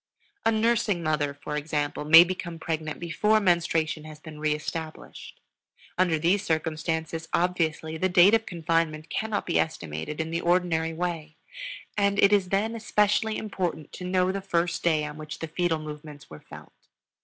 A nursing mother, for example, may become pregnant before menstruation has been reestablished. Under these circumstances, obviously, the date of confinement cannot be estimated in the ordinary way, and it is then especially important to know the first day on which the fetal movements were felt.